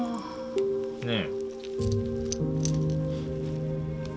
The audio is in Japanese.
ねえ？